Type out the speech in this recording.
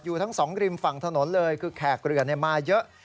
ทั้งสองริมฝั่งถนนเลยคือแขกเรือมาเยอะ